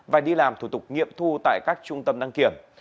và đi làm thủ tục nghiệm thu tại các trung tâm đăng kiểm